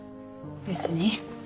別に。